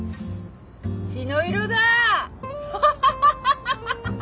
血の色だ！